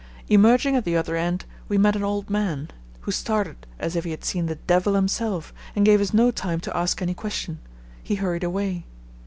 Emerging at the other end, we met an old man, who started as if he had seen the Devil himself and gave us no time to ask any question. He hurried away.